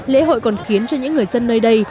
lễ hội còn khiến cho những người dân nơi đây